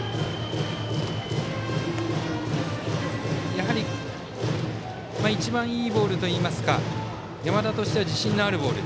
やはり一番いいボールといいますか山田としては自信のあるボール。